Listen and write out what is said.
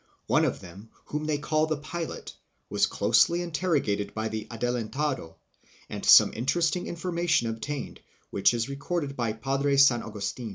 One of them, whom they call the " pilot," was closely interrogated by the commander and some interesting information obtained, which is recorded by Padre San Augustih.